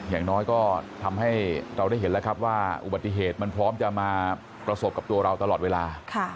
อย่างน้อยก็ทำให้เราได้เห็นแล้วครับว่าอุบัติเหตุมันพร้อมจะมาประสบกับตัวเราตลอดเวลา